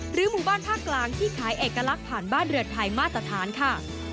หมู่บ้านภาคกลางที่ขายเอกลักษณ์ผ่านบ้านเรือนไทยมาตรฐานค่ะ